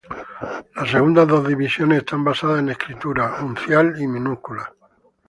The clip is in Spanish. Las segundas dos divisiones están basadas en escritura: uncial y minúscula.